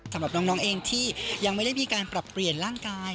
สำหรับน้องเองที่ยังไม่ได้มีการปรับเปลี่ยนร่างกาย